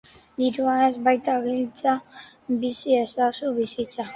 dirua ez baita giltza, bizi ezazu bizitza